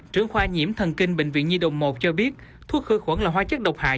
trưởng khoa nhiễm thần kinh bệnh viện nhi đồng một cho biết thuốc khử khuẩn là hóa chất độc hại